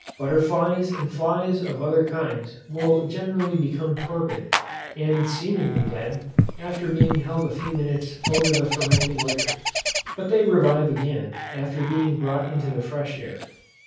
Butterflies and flies of other kinds will generally become torpid, and seemingly dead, after being held a few minutes over the fermenting liquor; but they revive again after being brought into the fresh air.